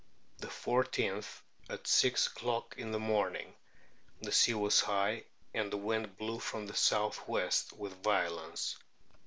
The i4th at six o'clock in the morning the sea was high, and the wind blew from the south west with violence.